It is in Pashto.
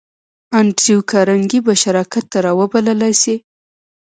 انډريو کارنګي به شراکت ته را وبللای شې؟